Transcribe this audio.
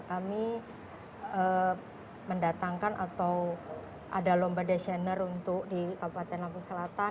kami mendatangkan atau ada lomba desainer untuk di kabupaten lampung selatan